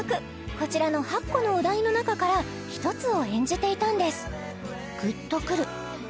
こちらの８個のお題の中から１つを演じていたんです